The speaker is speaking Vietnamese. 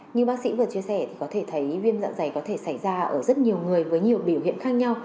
như bác sĩ vừa chia sẻ thì có thể thấy viêm dạ dày có thể xảy ra ở rất nhiều người với nhiều biểu hiện khác nhau